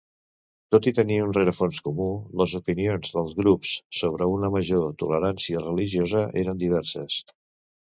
Tot i tenir un rerefons comú, les opinions dels grups sobre una major tolerància religiosa eren diverses.